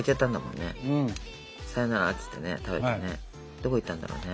どこ行ったんだろうね？